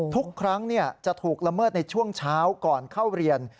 ทุกครั้งจะถูกละเมิดในช่วงเช้าก่อนเข้าเรียน